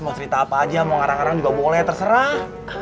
mau cerita apa aja mau ngarang arang juga boleh terserah